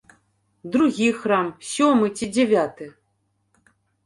Другі храм, сёмы ці дзявяты?